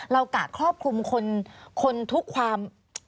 กะครอบคลุมคนทุกความ